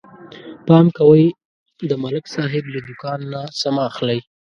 پام کوئ د ملک صاحب له دوکان نه څه مه اخلئ